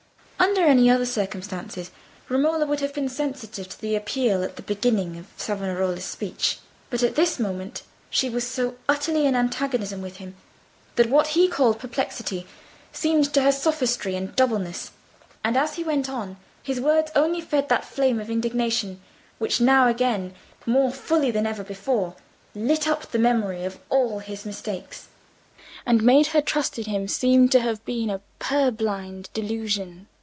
Under any other circumstances, Romola would have been sensitive to the appeal at the beginning of Savonarola's speech; but at this moment she was so utterly in antagonism with him, that what he called perplexity seemed to her sophistry and doubleness; and as he went on, his words only fed that flame of indignation, which now again, more fully than ever before, lit up the memory of all his mistakes, and made her trust in him seem to have been a purblind delusion.